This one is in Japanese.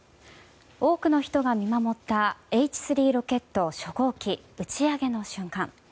多くの人が見守ったＨ３ロケット初号機打ち上げの瞬間。